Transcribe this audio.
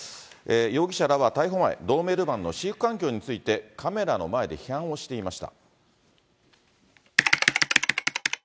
容疑者らは逮捕前、ドーベルマンの飼育環境について、カメラの前で批判をしていました。